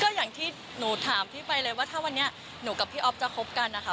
ก็อย่างที่หนูถามพี่ไปเลยว่าถ้าวันนี้หนูกับพี่อ๊อฟจะคบกันนะคะ